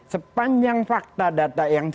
sepanjang fakta data yang saya juga tahu